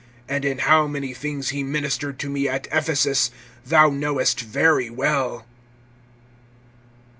And in how many things he ministered to me at Ephesus, thou knowest very well.